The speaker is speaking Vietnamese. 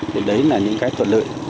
thế đấy là những cái thuận lợi